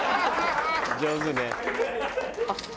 上手ね。